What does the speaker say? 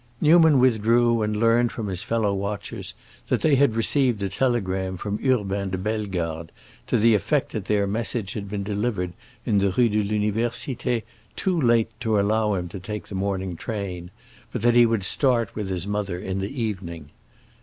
Newman withdrew and learned from his fellow watchers that they had received a telegram from Urbain de Bellegarde to the effect that their message had been delivered in the Rue de l'Université too late to allow him to take the morning train, but that he would start with his mother in the evening.